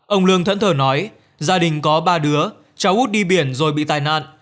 ông lương thẫn thờ nói gia đình có ba đứa cháu út đi biển rồi bị tai nạn